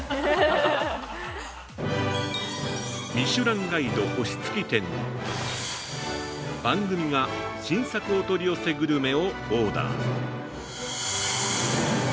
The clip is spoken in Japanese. ◆ミシュランガイド星付き店に番組が新作お取り寄せグルメをオーダー。